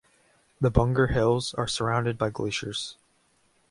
The Bunger Hills are surrounded by glaciers.